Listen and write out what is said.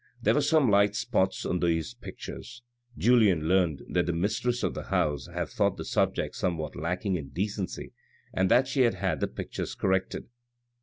There were some light spots on these pictures. Julien learnt later that the mistress of the house had thought the subject somewhat lacking in decency and that she had had the pictures corrected.